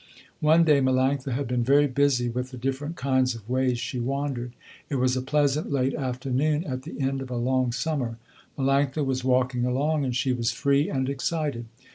One day Melanctha had been very busy with the different kinds of ways she wandered. It was a pleasant late afternoon at the end of a long summer. Melanctha was walking along, and she was free and excited.